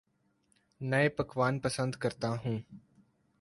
نئے پکوان پسند کرتا ہوں